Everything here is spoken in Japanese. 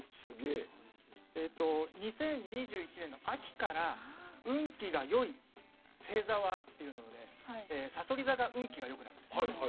２０２１年の秋から運気が良い星座は？というのでさそり座が運気が良くなります。